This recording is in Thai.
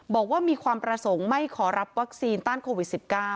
บอกว่ามีความประสงค์ไม่ขอรับวัคซีนต้านโควิด๑๙